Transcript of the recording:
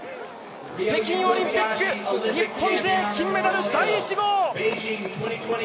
北京オリンピック、日本勢金メダル第１号。